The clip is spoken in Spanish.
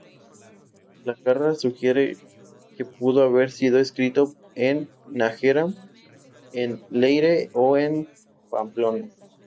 Lacarra sugiere que pudo haber sido escrito en Nájera, en Leyre o en Pamplona.